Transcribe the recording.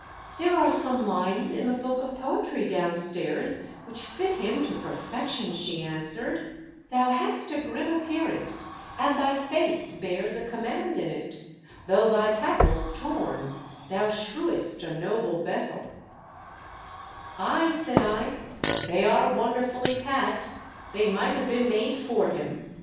" There are some lines in the book of poetry downstairs which fit him to per fection," she answered —"' Thou hast a grim appearance, and thy face Bears a command in it ; though thy tackle's torn, Thou shew'st a noble vessel' " "Ay," said I, "they are wonderfully pat; they might have been made for him."